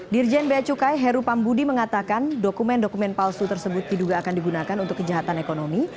dirjen bea cukai heru pambudi mengatakan dokumen dokumen palsu tersebut diduga akan digunakan untuk kejahatan ekonomi